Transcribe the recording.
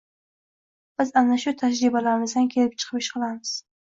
Biz ana shu tajribalarimizdan kelib chiqib ish qilamiz.